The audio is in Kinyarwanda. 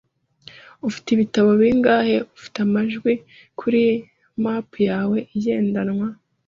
Ufite ibitabo bingahe ufite amajwi kuri MP yawe igendanwa?